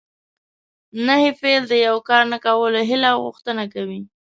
نهي فعل د یو کار نه کولو هیله او غوښتنه کوي.